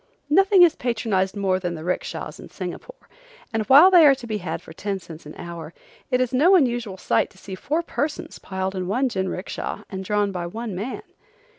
Nothing is patronized more than the 'rickshas in Singapore, and while they are to be had for ten cents an hour it is no unusual sight to see four persons piled in one jinricksha and drawn by one man.